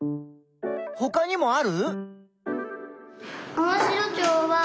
ほかにもある？